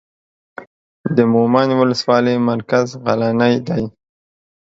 د مومند اولسوالۍ مرکز غلنۍ دی.